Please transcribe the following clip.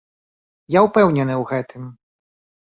Я ўпэўнены ў гэтым.